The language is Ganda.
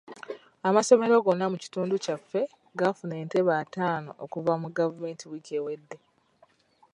Amasomero gonna mu kitundu kyaffe gaafuna entebe ataano okuva mu gavumenti wiiki ewedde.